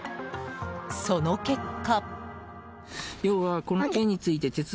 その結果。